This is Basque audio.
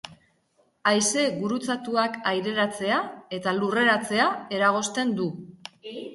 Haize gurutzatuak aireratzea eta lurreratzea eragozten du.